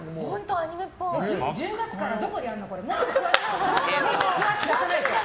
１０月からどこでやるの？